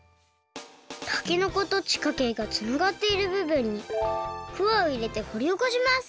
たけのこと地下茎がつながっている部分にくわをいれてほりおこします！